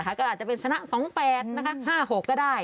ก็อาจจะเป็นชนะ๒๘๕๖ก็ได้